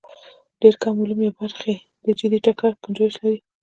ډېر کم علوم یا برخې د جدي ټکر ګنجایش لري.